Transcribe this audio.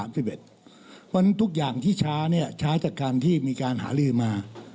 เพราะฉะนั้นทุกอย่างที่ช้าช้าจากการที่มีการหาลือมา